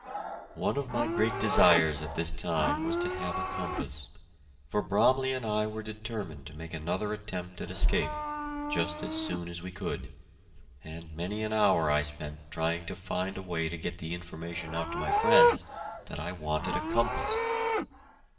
One of my great desires at this time was to have a compass, for Bromley and I were determined to make another attempt at escape, just as soon as we could, and many an hour I spent trying to find a way to get the information out to my friends that I wanted a compass.